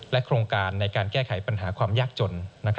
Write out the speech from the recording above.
และโครงการในการแก้ไขปัญหาของคนยากจน